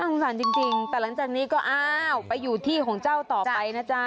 สงสารจริงแต่หลังจากนี้ก็อ้าวไปอยู่ที่ของเจ้าต่อไปนะจ๊ะ